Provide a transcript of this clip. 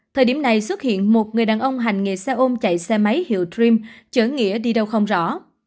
thời điểm này xuất hiện một người đàn ông hành nghề xe ôm chạy xe máy hiệu dream chở nghĩa đi đâu không rõ